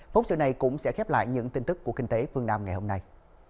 phóng sự này cũng sẽ khép lại những tin tức của kinh tế phương nam ngày hôm nay